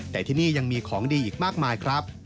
แต่ที่นี่ยังมีของดีอีกมากมายครับ